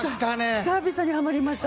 久々にはまりました。